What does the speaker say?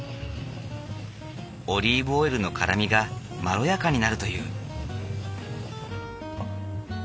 オリーブオイルの辛みがまろやかになるという。